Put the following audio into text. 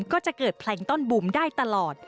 ก็จะเกิดแพลงต้อนบุมได้ตลอด